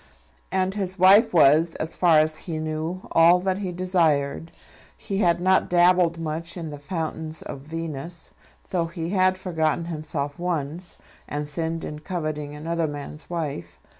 And his wife was, as far as he knew, all that he desired. He had not dabbled much in the fountains of Venus, though he had forgotten himself once, and sinned in coveting another man's wife.